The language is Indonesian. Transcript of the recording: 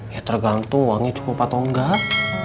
ya tergantung uangnya cukup atau enggak